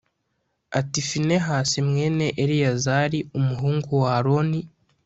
ati finehasi mwene eleyazari umuhungu wa aroni